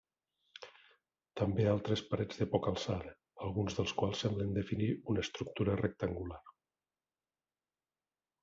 També altres parets de poca alçada, alguns dels quals semblen definir una estructura rectangular.